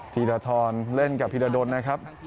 ธีรทรเล่นกับพิรดลนะครับ